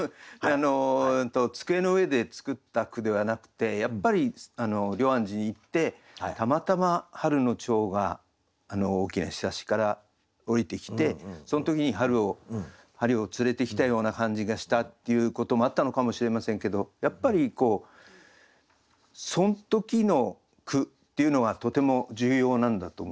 机の上で作った句ではなくてやっぱり龍安寺に行ってたまたま春の蝶が大きな庇から下りてきてそん時に春を連れてきたような感じがしたっていうこともあったのかもしれませんけどやっぱりそん時の句っていうのはとても重要なんだと思いますよね。